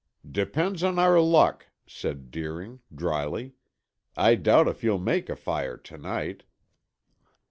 "Depends on our luck," said Deering, dryly. "I doubt if you'll make a fire to night."